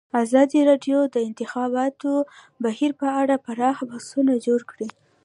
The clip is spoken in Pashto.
ازادي راډیو د د انتخاباتو بهیر په اړه پراخ بحثونه جوړ کړي.